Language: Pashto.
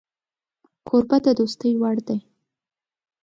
کوربه د دوستۍ وړ دی